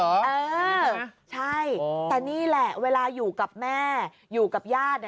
เออใช่แต่นี่แหละเวลาอยู่กับแม่อยู่กับญาติ